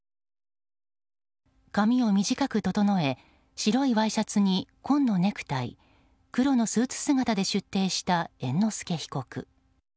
髪を短く整え白いワイシャツに紺のネクタイ黒のスーツ姿で出廷した猿之助被告。